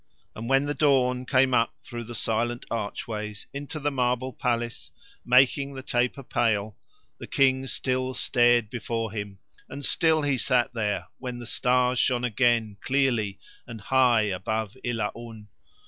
And when the dawn came up through silent archways into the marble palace, making the taper pale, the King still stared before him, and still he sat there when the stars shone again clearly and high above Ilaun.